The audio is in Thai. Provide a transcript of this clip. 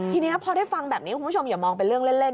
ทีนี้พอได้ฟังแบบนี้คุณผู้ชมอย่ามองเป็นเรื่องเล่น